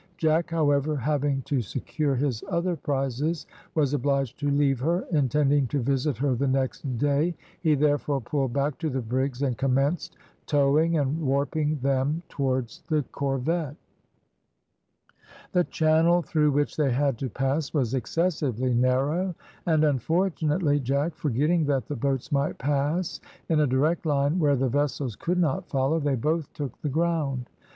Jack, however, having to secure his other prizes, was obliged to leave her, intending to visit her the next day; he therefore pulled back to the brigs, and commenced towing and warping them towards the corvette. The channel through which they had to pass was excessively narrow, and, unfortunately, Jack, forgetting that the boats might pass in a direct line where the vessels could not follow, they both took the ground.